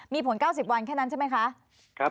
มีผล๙๐วันใช่ไหมคะ